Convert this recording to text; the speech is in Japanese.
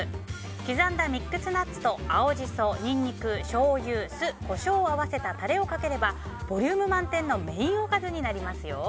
刻んだミックスナッツと青ジソニンニク、しょうゆ、酢コショウを合わせたタレをかければボリューム満点のメインおかずになりますよ。